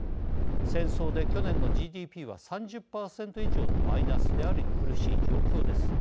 戦争で去年のＧＤＰは３０％以上のマイナスであり苦しい状況です。